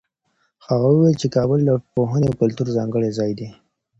هغه وویل چي کابل د پوهنې او کلتور ځانګړی ځای دی.